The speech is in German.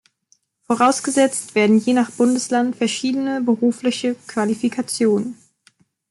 Vorausgesetzt werden je nach Bundesland verschiedene berufliche Qualifikationen.